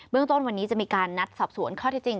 เรื่องต้นวันนี้จะมีการนัดสอบสวนข้อที่จริง